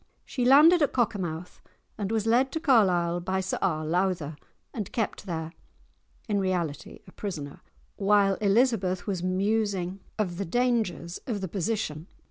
She landed at Cockermouth, and was led to Carlisle by Sir R. Lowther, and kept there, in reality a prisoner, while Elizabeth was musing of the dangers of the position.